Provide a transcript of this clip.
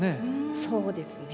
そうですね。